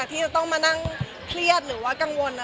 มีออกอันขอหรือพูดเรื่องสถานะ